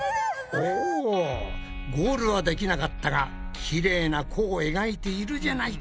おゴールはできなかったがきれいな弧を描いているじゃないか。